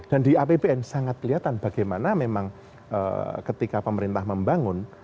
dan di apbn sangat kelihatan bagaimana memang ketika pemerintah membangun